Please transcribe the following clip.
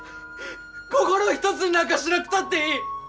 心を一つになんかしなくたっていい。